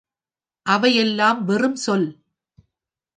அவை எல்லாம் வெறும் சொல்.